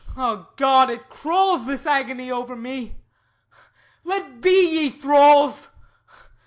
Ah God, it crawls This agony, over me! Let be, ye thralls!